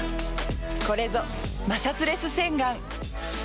これぞまさつレス洗顔！